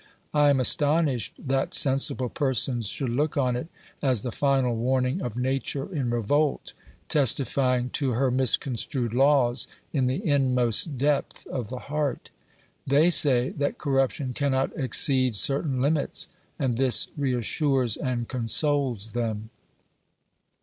I am astonished that sensible persons should look on it as the final warning of Nature in revolt, testifying to her misconstrued laws in the inmost depth of the heart. They say that corruption cannot exceed certain limits, and this reassures and consoles them.